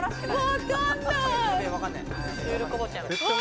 わかんない。